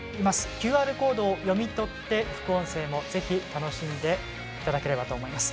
ＱＲコードを読み取って副音声も、ぜひ楽しんでいただければと思います。